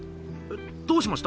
どうしました？